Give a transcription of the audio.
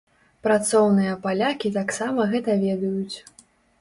Працоўныя палякі таксама гэта ведаюць.